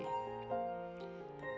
aku gak bisa berhenti